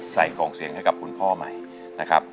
ของเสียงให้กับคุณพ่อใหม่นะครับ